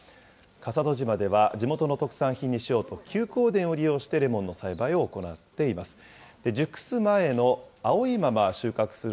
笠戸島では地元の特産品にしようと、休耕田を利用して、レモンの栽培を行っています。